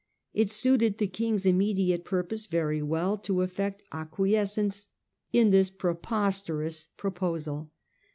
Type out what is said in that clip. It suited the king's immediate purpose very well to affect ac quiescence in this preposterous proposal.